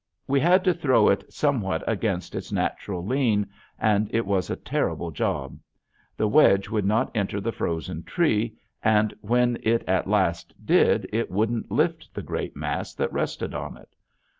We had to throw it somewhat against its natural lean and it was a terrible job. The wedge would not enter the frozen tree and when it at last did it wouldn't lift the great mass that rested on it.